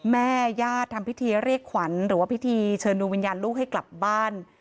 แม่ญาติทำพิธีเรียกขวัญหรือว่าพิธีเชิญดวงวิญญาณลูกให้กลับบ้าน